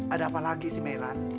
ada apa lagi sih mellan